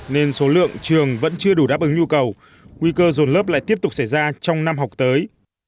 nên số lượng trường vẫn chưa đủ đáp ứng nhu cầu nguy cơ dồn lớp lại tiếp tục xảy ra trong năm học tới